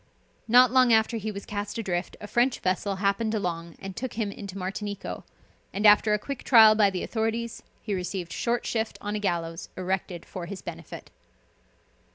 Not long after he was cast adrift a French vessel happened along and took him into Martinico, and after a quick trial by the authorities he received short shift on a gallows erected for his benefit.